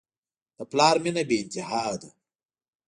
د پلار مینه بېانتها ده.